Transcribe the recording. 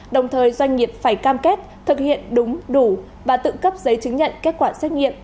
đồng thời doanh nghiệp phải cam kết thực hiện đúng đủ và tự cấp giấy chứng nhận kết quả xét nghiệm